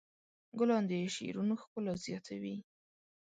ګلان د شعرونو ښکلا زیاتوي.